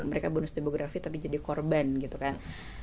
mereka bonus demografi tapi jadi korban gitu kan